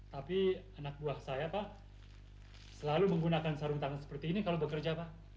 tapi anak buah saya pak selalu menggunakan sarung tangan seperti ini kalau bekerja pak